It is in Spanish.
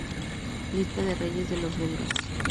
Lista de reyes de los belgas